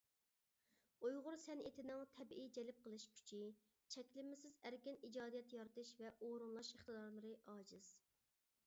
ئۇيغۇر سەنئىتىنىڭ تەبىئىي جەلپ قىلىش كۈچى، چەكلىمىسىز ئەركىن ئىجادىيەت يارىتىش ۋە ئورۇنلاش ئىقتىدارلىرى ئاجىز.